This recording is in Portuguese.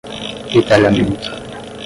retalhamento